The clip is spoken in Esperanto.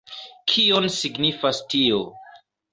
Kion signifas tio?